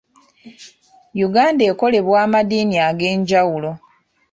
Uganda ekolebwa amadiini ag'enjawulo.